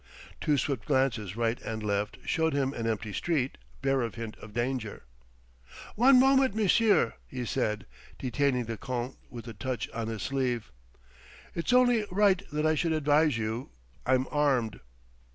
Two swift glances, right and left, showed him an empty street, bare of hint of danger. "One moment, monsieur!" he said, detaining the Count with a touch on his sleeve. "It's only right that I should advise you ... I'm armed."